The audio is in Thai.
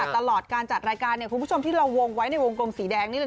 ตลอดการจัดรายการคุณผู้ชมที่เราวงไว้ในวงกลมสีแดงนี่เลย